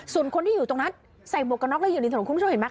ส่วนคนที่อยู่ตรงนั้นใส่หมวกกระน็อกแล้วอยู่ในถนนคุณผู้ชมเห็นไหม